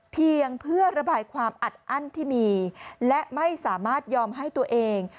เพียงเพื่อระบายความอัดอั้นที่มีและไม่สามารถยอมให้ตัวเอง